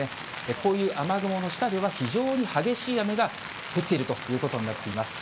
こういう雨雲の下では、非常に激しい雨が降っているということになっています。